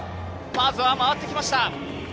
まずは回ってきました。